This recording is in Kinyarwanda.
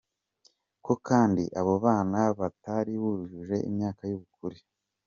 Ko kandi abo bana batari bujuje imyaka y’ubukure.